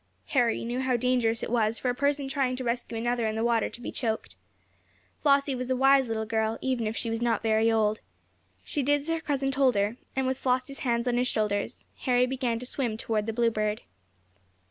Harry knew how dangerous it was for a person trying to rescue another in the water to be choked. Flossie was a wise little girl, even if she was not very old. She did as her cousin told her, and, with Flossie's hands on his shoulders, Harry began to swim toward the Bluebird.